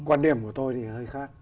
quan điểm của tôi thì hơi khác